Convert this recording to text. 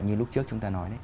như lúc trước chúng ta nói